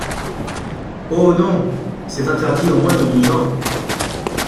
Ho non, c'est interdit aux moins de douze ans.